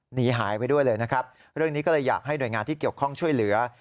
หนีหายไปด้วยเลยนะครับเรื่องนี้ก็เลยอยากให้หน่วยงานที่เกี่ยวข้องช่วยเหลือ